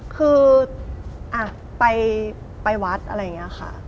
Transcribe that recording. คือไปวัดอะไรอย่างนี้ค่ะ